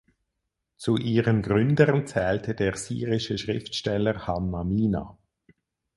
Zu ihren Gründern zählte der syrische Schriftsteller Hanna Mina.